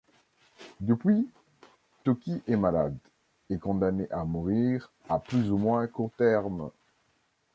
Depuis, Toki est malade et condamné à mourir à plus ou moins court terme.